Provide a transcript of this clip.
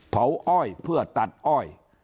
อ้อยเพื่อตัดอ้อย